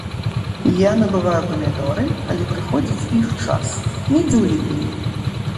Я набываю памідоры, калі прыходзіць іх час, недзе ў ліпені.